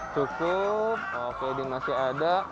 cukup oke ini masih ada